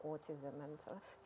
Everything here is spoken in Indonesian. apakah itu menurut anda